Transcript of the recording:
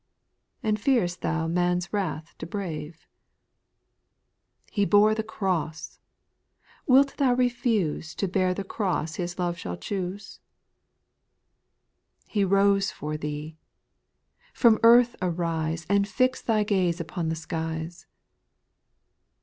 And fearest thou man's wTath to brave ? He bore the cross I Wilt thou refuse To bear the cross His love shall choose ? 3. He rose for thee I From earth arise, And fix thy gaze upon the skies